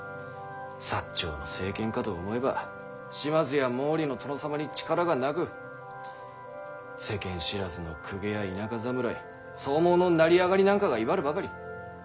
長の政権かと思えば島津や毛利の殿様に力がなく世間知らずの公家や田舎侍草莽の成り上がりなんかが威張るばかり。